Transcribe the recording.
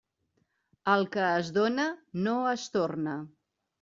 El que es dóna no es torna.